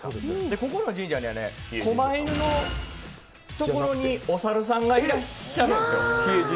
ここの神社はこま犬のところにお猿さんがいらっしゃるんですよ。